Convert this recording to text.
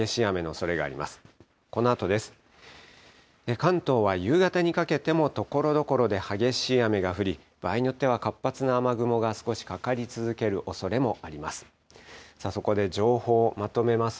関東は夕方にかけてもところどころで激しい雨が降り、場合によっては活発な雨雲が少しかかり続けるおそれもあります。